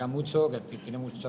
dan memberi kita